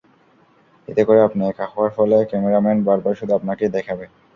এতে করে আপনি একা হওয়ার ফলে ক্যামেরাম্যান বারবার শুধু আপনাকেই দেখাবে।